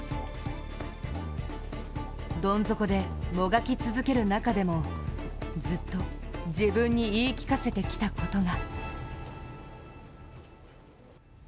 どん底で、もがき続ける中でもずっと自分に言い聞かせてきたことが。